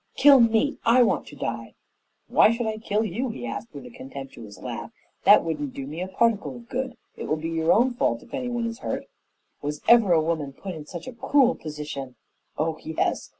Kill me! I want to die." "Why should I kill you?" he asked with a contemptuous laugh. "That wouldn't do me a particle of good. It will be your own fault if anyone is hurt." "Was ever a woman put in such a cruel position?" "Oh, yes!